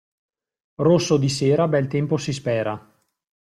Rosso di sera bel tempo si spera.